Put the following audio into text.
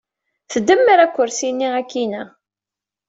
Tdemmer akersi-nni akkinna.